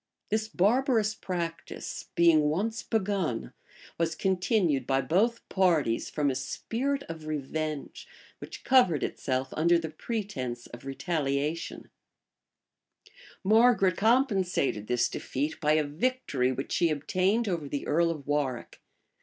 This barbarous practice, being once begun, was continued by both parties, from a spirit of revenge, which covered itself under the pretence of retaliation.[] * Poivd. Virg. p 510. Holingshed, p. 660. Grafton, p. 650. Margaret compensated this defeat by a victory which she obtained over the earl of Warwick.